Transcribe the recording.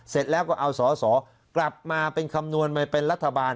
เสร็จแล้วก็เอาสอสอกลับมาเป็นคำนวณมาเป็นรัฐบาล